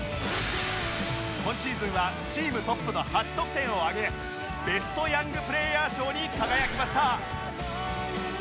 今シーズンはチームトップの８得点を挙げベストヤングプレーヤー賞に輝きました